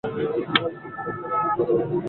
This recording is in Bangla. আমার স্ত্রী খপ করে আমার হাতটা ধরে ফেলল।